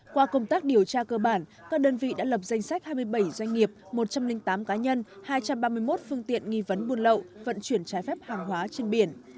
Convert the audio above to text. qua công tác điều tra cơ bản các đơn vị đã lập danh sách hai mươi bảy doanh nghiệp một trăm linh tám cá nhân hai trăm ba mươi một phương tiện nghi vấn buôn lậu vận chuyển trái phép hàng hóa trên biển